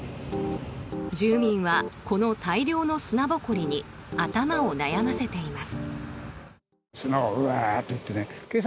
住民はこの大量の砂ぼこりに頭を悩ませています。